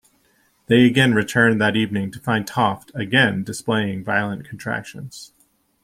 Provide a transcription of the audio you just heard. They again returned that evening to find Toft again displaying violent contractions.